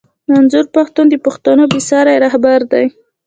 منظور پښتون د پښتنو بې ساری رهبر دی